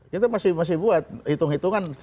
kita masih buat hitung hitungan